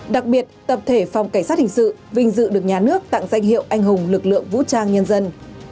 đặc biệt tập thể phòng cảnh sát hình sự vinh dự được nhà nước tặng danh hiệu anh hùng lực lượng vũ trang nhân dân